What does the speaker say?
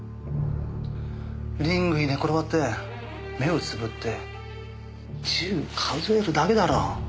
リングに寝転がって目をつぶって１０数えるだけだろう。